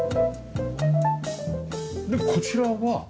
でこちらは？